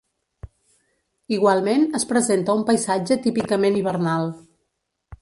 Igualment, es presenta un paisatge típicament hivernal.